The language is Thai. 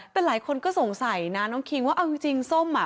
แต่หลายคนก็สงสัยนะน้องคิงว่าเอาจริงส้มอ่ะ